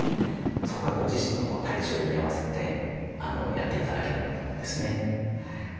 そこはご自身の体調に合わせてやって頂ければと思うんですね。